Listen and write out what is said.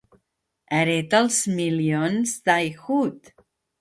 Hereta els milions d'Heywood.